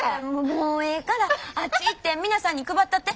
もうええからあっち行って皆さんに配ったって。